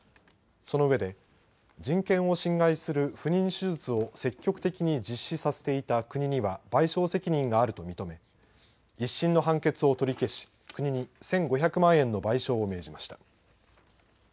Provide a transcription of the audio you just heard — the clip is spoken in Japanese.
そのうえで人権を侵害する不妊手術を積極的に実施させていた国には賠償責任があると認め１審の判決を取り消し国に１５００万円の賠償を命じました。